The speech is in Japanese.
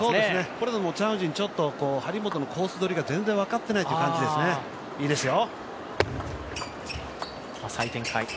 これでチャン・ウジン、張本のコースどりが全然分かっていないという感じですね、いいですよ。